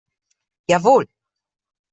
Jawohl!